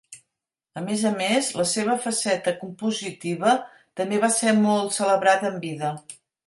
A més a més, la seva faceta compositiva també va ser molt celebrada en vida.